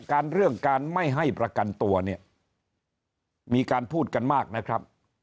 เรื่องการไม่ให้ประกันตัวเนี่ยมีการพูดกันมากนะครับ